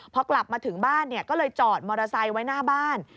พอกลับมาถึงบ้านก็เลยจอดมอเตอร์ไซค์ไว้หน้าบ้าน